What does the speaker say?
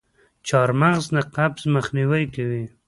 چارمغز د قبض مخنیوی کوي.